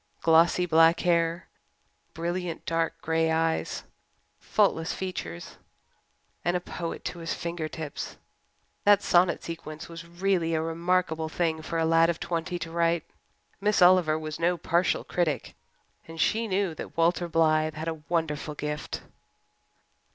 Glossy black hair, brilliant dark grey eyes, faultless features. And a poet to his fingertips! That sonnet sequence was really a remarkable thing for a lad of twenty to write. Miss Oliver was no partial critic and she knew that Walter Blythe had a wonderful gift.